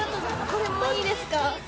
これもいいですか？